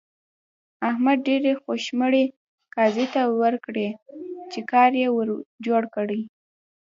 احمد ډېرې خوشمړې قاضي ته ورکړې چې کار يې ور جوړ کړي.